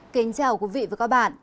kính chào quý vị và các bạn